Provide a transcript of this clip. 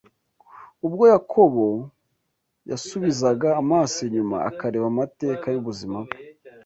Ubwo Yakobo yasubizaga amaso inyuma akareba amateka y’ubuzima bwe,